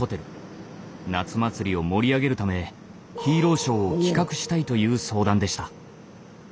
夏祭りを盛り上げるためヒーローショーを企画したいという相談でした。